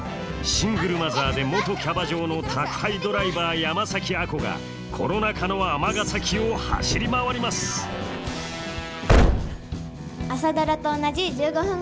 シングルマザーで元キャバ嬢の宅配ドライバー山崎亜子がコロナ禍の尼崎を走り回ります「朝ドラ」と同じ１５分間。